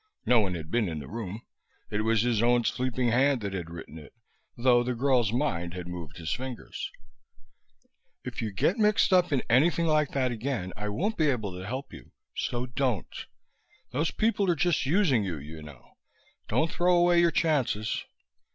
No one had been in the room. It was his own sleeping hand that had written it, though the girl's mind had moved his fingers: If you get mixed up in anything like that again I won't be able to help you. So don't! Those people are just using you, you know. Don't throw away your chances.